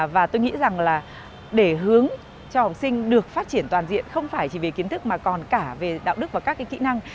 và tôi nghĩ rằng là để hướng cho học sinh được phát triển toàn diện không phải chỉ về kiến thức mà còn cả về đạo đức và các cái kỹ năng